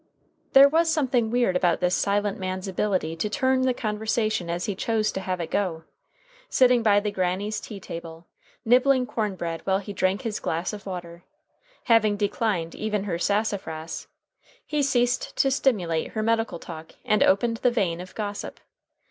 There was something weird about this silent man's ability to turn the conversation as he chose to have it go. Sitting by the Granny's tea table, nibbling corn bread while he drank his glass of water, having declined even her sassafras, he ceased to stimulate her medical talk and opened the vein of gossip.